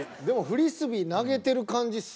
でもフリスビー投げてる感じ